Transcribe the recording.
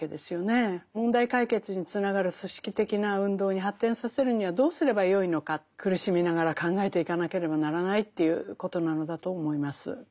問題解決につながる組織的な運動に発展させるにはどうすればよいのか苦しみながら考えていかなければならないということなのだと思います。